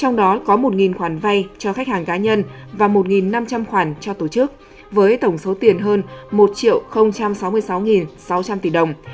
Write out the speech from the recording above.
trong đó có một khoản vay cho khách hàng cá nhân và một năm trăm linh khoản cho tổ chức với tổng số tiền hơn một sáu mươi sáu sáu trăm linh tỷ đồng